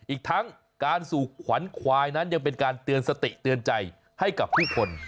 อีกทั้งการสู่ขวัญควายนั้นยังเป็นการเตือนสติเตือนใจให้กับผู้คน